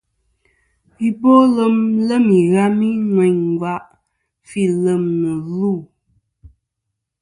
Ibolem ilem ìghami ŋweyn ngva fi lem nɨ lu'.